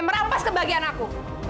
merampas kebagian aku